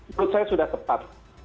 menurut saya sudah tepat